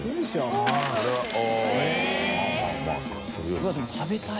うわでも食べたい。